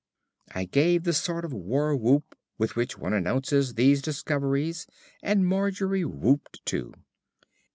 I gave the sort of war whoop with which one announces these discoveries, and Margery whooped too.